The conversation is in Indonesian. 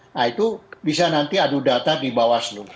nah itu bisa nanti adu data di bawaslu